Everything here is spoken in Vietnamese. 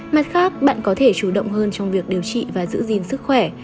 mặt khác bạn có thể chủ động hơn trong việc điều trị và giữ gìn sức khỏe